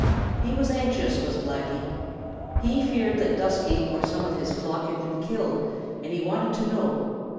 He was anxious, was Blacky. He feared that Dusky or some of his flock had been killed, and he wanted to know.